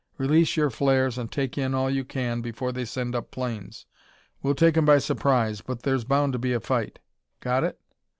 Release your flares and take in all you can before they send up planes. We'll take 'em by surprise, but there's bound to be a fight. Got it?"